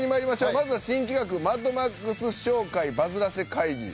まずは新企画「マッドマックス商会バズらせ会議」。